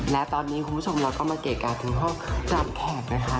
และตอนนี้คุณผู้ชมเราก็มาเกะกะถึงห้องจำแขกนะคะ